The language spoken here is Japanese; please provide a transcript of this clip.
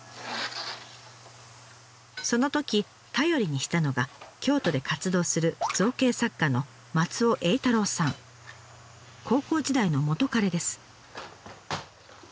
そのとき頼りにしたのが京都で活動する造形作家の高校時代の元カレです。